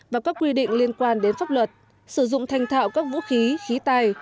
và các quy định liên quan đến pháp luật sử dụng thanh thạo các vũ khí khí tài